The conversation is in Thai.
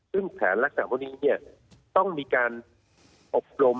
ซึ่งแผนลักษณะพวกนี้ต้องมีการอบรม